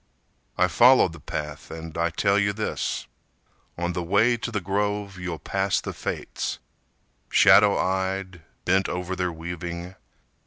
I followed the path and I tell you this: On the way to the grove you'll pass the Fates, Shadow eyed, bent over their weaving.